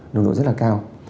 nồng độ rất là cao